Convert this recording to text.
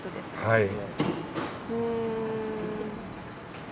はい。